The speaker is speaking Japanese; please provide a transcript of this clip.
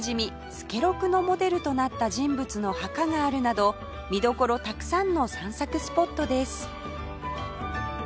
助六のモデルとなった人物の墓があるなど見どころたくさんの散策スポットです